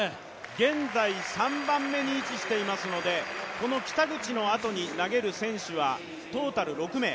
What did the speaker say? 現在３番目に位置していますのでこの北口のあとに投げる選手はトータル６名。